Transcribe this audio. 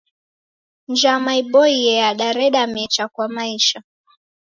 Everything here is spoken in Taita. Njama iboie yadareda mecha kwa maisha.